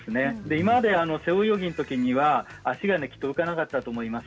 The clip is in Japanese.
今まで背泳ぎのときには足がきっと浮かなかったと思います。